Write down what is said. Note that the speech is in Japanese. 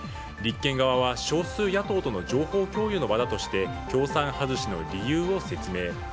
立憲側は少数野党との情報共有の場だとして共産外しの理由を説明。